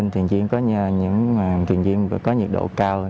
trên thuyền viên có nhiệt độ cao